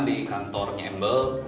di kantornya embl